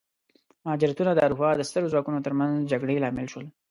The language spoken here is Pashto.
مهاجرتونه د اروپا د سترو ځواکونو ترمنځ جګړې لامل شول.